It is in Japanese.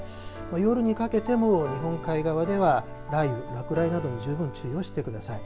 夜にかけても日本海側では雷雨、落雷などに十分注意してください。